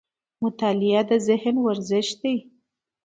مطالعه د ذهن ورزش دی